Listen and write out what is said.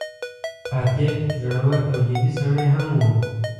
قاطع، زړور او جدي سړی هم و.